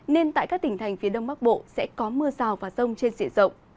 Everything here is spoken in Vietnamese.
nên tại các tỉnh thành phía đông bắc bộ sẽ có mưa rào và rông trên diện rộng